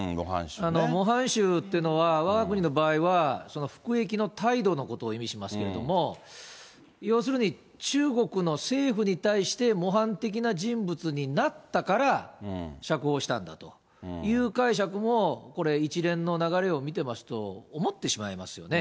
模範囚っていうのは、わが国の場合は、服役の態度のことを意味しますけれども、要するに、中国の政府に対して模範的な人物になったから、釈放したんだという解釈も、これ、一連の流れを見てますと、思ってしまいますよね。